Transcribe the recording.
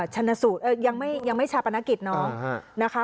จะยังไม่ชะประณะกิจน้องนะคะ